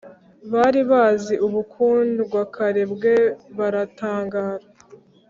bari bazi ubukundwakare bwe baratangara.